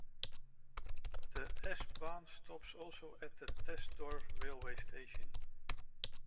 The S-Bahn stops also at the Thesdorf railway station.